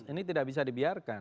ini tidak bisa dibiarkan